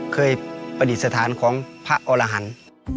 เคยประดิษฐานของพระอรหันธ์